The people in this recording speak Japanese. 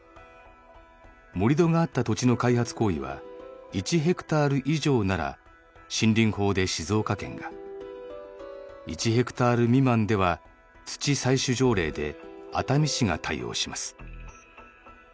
盛り土があった土地の開発行為は１ヘクタール以上なら森林法で静岡県が１ヘクタール未満では土採取条例で熱海市が対応します。